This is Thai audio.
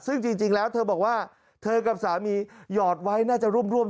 ซึ่งจริงแล้วเธอบอกว่าเธอกับสามีหยอดไว้น่าจะร่วม